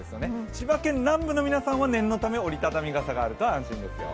千葉県南部の皆さんは念のため、折り畳み傘があると安心ですよ。